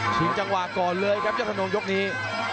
จังหวะก่อนเลยครับยอดทนงยกนี้